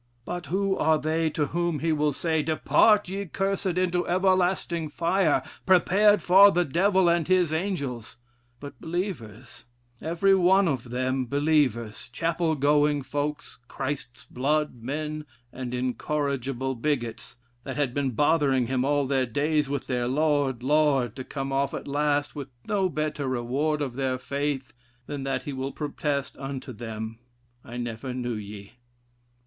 But who are they to whom he will say, 'Depart ye cursed into everlasting fire, prepared for the Devil and his angels,' but believers, every one of them believers, chapel going folks, Christ's blood men, and incorrigible bigots, that had been bothering him all their days with their 'Lord! Lord!' to come off at last with no better reward of their faith than that he will protest unto them, I never knew ye.